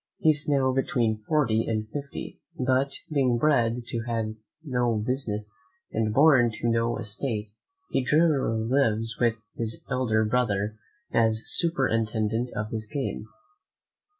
He is now between forty and fifty; but being bred to no business and born to no estate, he generally lives with his elder brother as superintendent of his game.